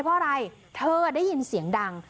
เธออ่ะได้ยินเสียงดัง